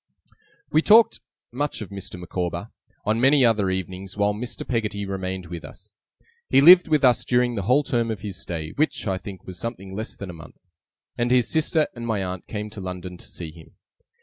We talked much of Mr. Micawber, on many other evenings while Mr. Peggotty remained with us. He lived with us during the whole term of his stay, which, I think, was something less than a month, and his sister and my aunt came to London to see him.